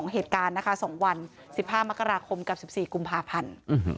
เหตุการณ์นะคะ๒วัน๑๕มกราคมกับ๑๔กุมภาพันธ์